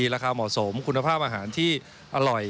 ราคาเหมาะสมคุณภาพอาหารที่อร่อย